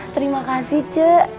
terima kasih c